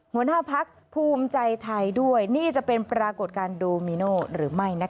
หัวหน้าพักภูมิใจไทยด้วยนี่จะเป็นปรากฏการณ์โดมิโน่หรือไม่